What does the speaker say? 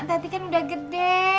tati kan udah gede